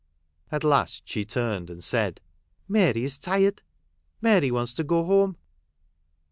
At last she turned, and said, " Mary is tired. Mary wants to go home."